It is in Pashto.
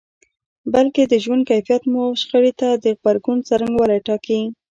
بلکې د ژوند کيفیت مو شخړې ته د غبرګون څرنګوالی ټاکي.